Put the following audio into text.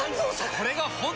これが本当の。